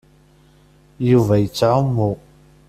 Yuba yettɛummu.